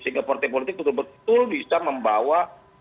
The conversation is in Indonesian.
sehingga partai politik betul betul bisa membawa